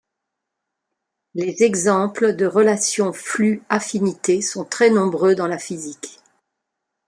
Les exemples de relations flux-affinités sont très nombreux dans la physique.